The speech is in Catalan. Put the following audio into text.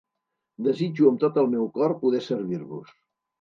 Desitjo amb tot el meu cor poder servir-vos.